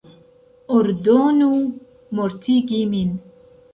Ordonu mortigi min!